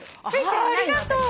ありがとう。